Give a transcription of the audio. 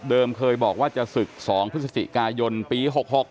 เคยบอกว่าจะศึก๒พฤศจิกายนปี๖๖